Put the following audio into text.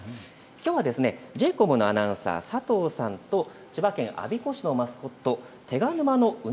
きょうはＪ：ＣＯＭのアナウンサー、佐藤さんと千葉県我孫子市のマスコット、手賀沼のう